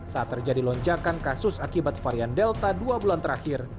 saat terjadi lonjakan kasus akibat varian delta dua bulan terakhir